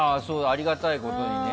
ありがたいことにね。